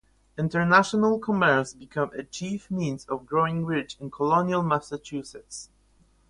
International commerce became a chief means of growing rich in colonial Massachusetts.